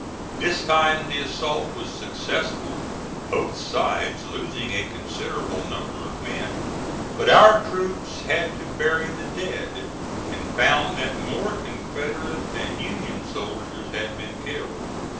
This time the assault was successful, both sides losing a considerable number of men. But our troops had to bury the dead, and found that more Confederate than Union soldiers had been killed.